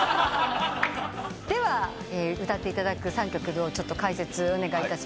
では歌っていただく３曲の解説をお願いいたします。